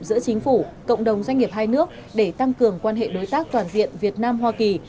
giữa chính phủ cộng đồng doanh nghiệp hai nước để tăng cường quan hệ đối tác toàn diện việt nam hoa kỳ